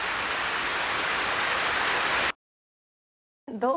どう？